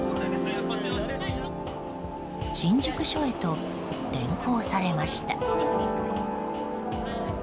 新宿署へと連行されました。